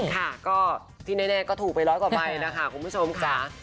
ค่ะก็ที่แน่ก็ถูกไปร้อยกว่าใบนะคะคุณผู้ชมค่ะ